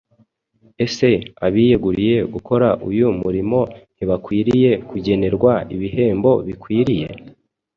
Ese abiyeguriye gukora uyu murimo ntibakwiriye kugenerwa ibihembo bikwiriye?